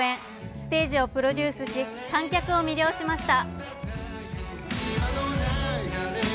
ステージをプロデュースし観客を魅了しました